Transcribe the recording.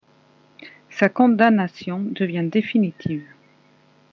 Sa condamnation devient définitive.